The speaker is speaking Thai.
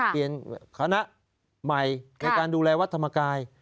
เปลี่ยนคณะใหม่ในการดูแลวัตถมกาย